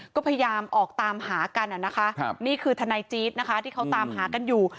ก็พยายามออกตามหากันนะคะนี่คือทนายจี๊ดนะคะที่เขาตามหากันอยู่